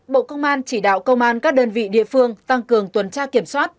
bộ công an chỉ đạo công an các đơn vị địa phương tăng cường tuần tra kiểm soát